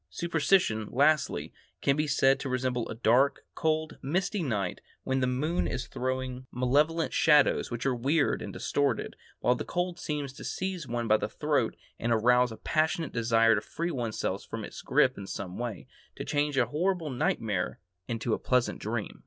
Superstition, lastly, can be said to resemble a dark, cold, misty night, when the moon is throwing malevolent shadows which are weird and distorted, while the cold seems to seize one by the throat and arouse a passionate desire to free one's self from its grip in some way, to change a horrible nightmare into a pleasant dream.